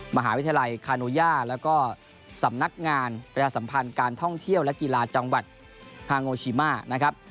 มหาวิทยาลัยคาโนยาแล้วก็สำนักงานประชาสัมพันธ์การท่องเที่ยวและกีฬาจังหวัดฮาโงชิมานะครับ